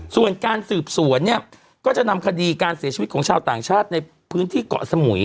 ส่วนการสืบสวนเนี่ยก็จะนำคดีการเสียชีวิตของชาวต่างชาติในพื้นที่เกาะสมุย